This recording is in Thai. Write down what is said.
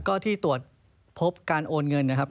ก็ที่ตรวจพบการโอนเงินนะครับ